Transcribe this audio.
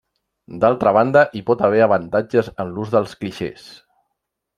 D'altra banda, hi pot haver avantatges en l'ús dels clixés.